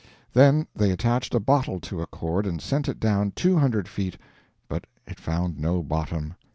Then they attached a bottle to a cord and sent it down two hundred feet, but it found no bottom.